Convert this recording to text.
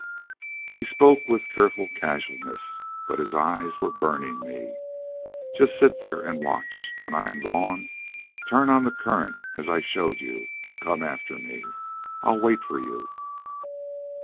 He spoke with careful casualness, but his eyes were burning me. "Just sit there, and watch. When I am gone, turn on the current as I showed you and come after me. I'll wait for you."